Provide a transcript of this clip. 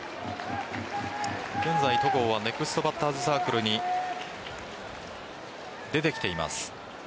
現在、戸郷はネクストバッターズサークルに出てきています。